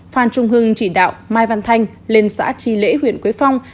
phan trung hưng chỉ đạo mai văn thanh lên xã tri lễ huyện quế phong